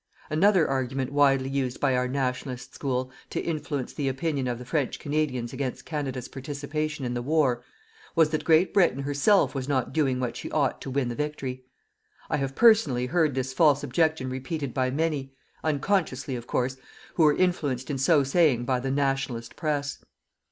Another argument widely used by our "Nationalist" School to influence the opinion of the French Canadians against Canada's participation in the war, was that Great Britain herself was not doing what she ought to win the victory. I have personally heard this false objection repeated by many unconsciously of course who were influenced in so saying by the "Nationalist" press.